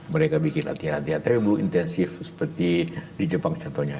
mereka bikin hati hati tapi belum intensif seperti di jepang contohnya